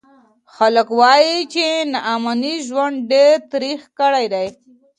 خلک وایي چې ناامني ژوند ډېر تریخ کړی دی.